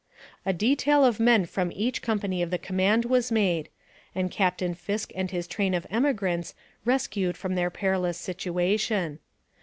A detail of men from each company of the command was made, and Captain Fisk and his train of emigrants rescued from their perilous situation.